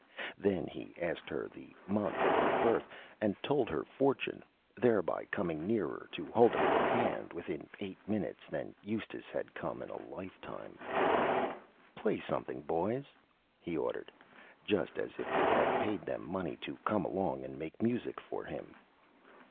Then he asked her the Month of her Birth and told her Fortune, thereby coming nearer to Holding her Hand within Eight Minutes than Eustace had come in a Lifetime. [Illustration: THE WILLING PERFORMER] "Play something, Boys," he Ordered, just as if he had paid them Money to come along and make Music for him.